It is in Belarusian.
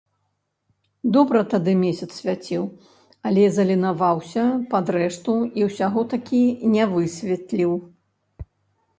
Добра тады месяц свяціў, але заленаваўся пад рэшту і ўсяго такі не высветліў.